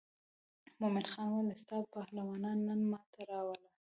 مومن خان وویل ستا پهلوانان نن ما ته راوله.